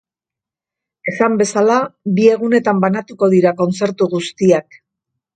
Esan bezala, bi egunetan banatuko dira kontzertu guztiak.